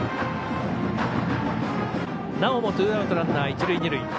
なおもツーアウトランナー、一塁二塁。